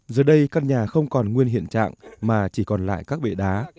giờ đây căn nhà không còn nguyên hiện trạng mà chỉ còn lại các bệ đá